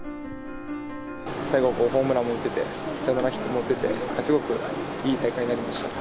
最後、ホームランも打てて、サヨナラヒットも打てて、すごくいい大会になりました。